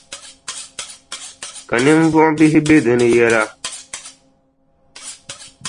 Ka ninvuɣʼ bihi be di ni yɛla.